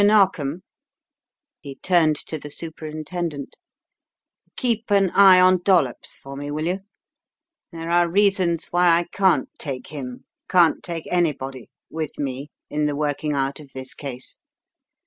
Narkom " he turned to the superintendent "keep an eye on Dollops for me, will you? There are reasons why I can't take him can't take anybody with me in the working out of this case.